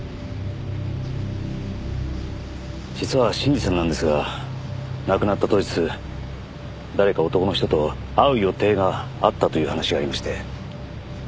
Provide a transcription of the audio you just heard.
実は信二さんなんですが亡くなった当日誰か男の人と会う予定があったという話がありまして。